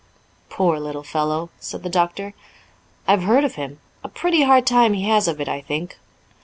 "Poor little fellow!" said the doctor. "I've heard of him; a pretty hard time he has of it, I think."